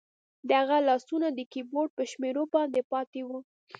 د هغه لاسونه د کیبورډ په شمیرو باندې پاتې وو